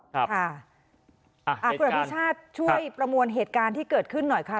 คุณอภิชาติช่วยประมวลเหตุการณ์ที่เกิดขึ้นหน่อยค่ะ